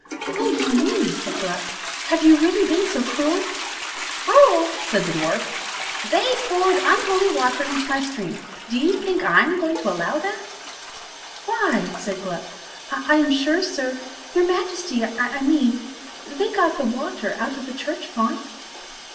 "Oh dear me!" said Gluck; "have you really been so cruel?" "Cruel!" said the dwarf, "they poured unholy water into my stream; do you suppose I'm going to allow that?" "Why," said Gluck, "I am sure, sir your Majesty, I mean they got the water out of the church font."